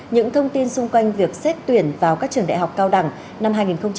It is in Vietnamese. những thông tin xung quanh việc xếp tuyển vào các trường đại học cao đẳng năm hai nghìn một mươi chín